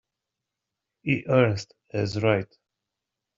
E. Ernst as Wright.